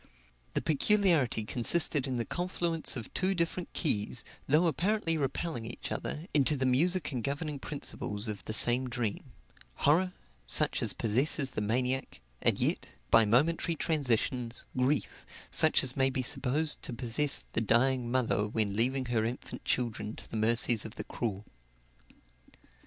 The peculiarity consisted in the confluence of two different keys, though apparently repelling each other, into the music and governing principles of the same dream; horror, such as possesses the maniac, and yet, by momentary transitions, grief, such as may be supposed to possess the dying mother when leaving her infant children to the mercies of the cruel.